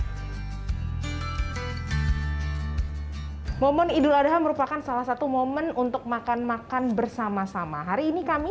momen idul adha merupakan salah satu momen untuk makan makan bersama sama hari ini kami